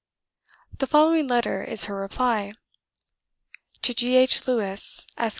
The following letter is her reply: To G. H. LEWES, ESQ.